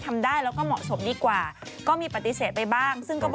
ค่ะคุณไปเข้าโรงพยาบาลค่ะ